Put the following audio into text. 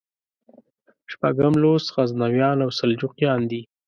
شپږم لوست غزنویان او سلجوقیان دي.